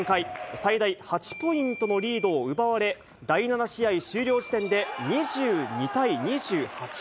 最大８ポイントのリードを奪われ、第７試合終了時点で２２対２８。